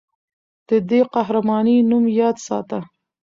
د دې قهرمانې نوم یاد ساته.